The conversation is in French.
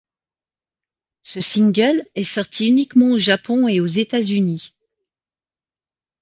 Ce single est sorti uniquement au Japon et aux États-Unis.